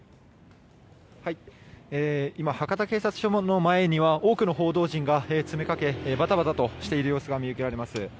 今、博多警察署の前には多くの報道陣が詰めかけバタバタとしている様子が見受けられます。